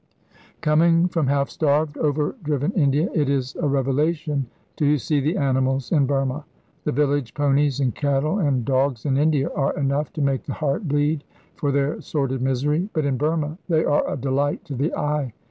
Coming from half starved, over driven India, it is a revelation to see the animals in Burma. The village ponies and cattle and dogs in India are enough to make the heart bleed for their sordid misery, but in Burma they are a delight to the eye.